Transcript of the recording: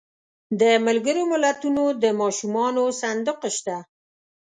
د ملګرو ملتونو د ماشومانو صندوق شته.